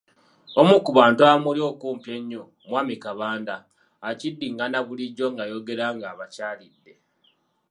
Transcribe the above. Omu ku bantu abamuli okumpi ennyo, mwami Kabanda akiddiŋŋana bulijjo ng’ayogera ng'abakyalidde